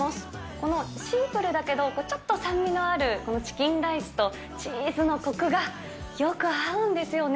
このシンプルだけど、ちょっと酸味のあるこのチキンライスと、チーズのこくがよく合うんですよね。